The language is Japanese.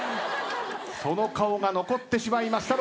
その顔が残ってしまいました。